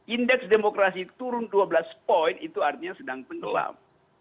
indeks demokrasi turun dua belas poin itu artinya sedang tenggelam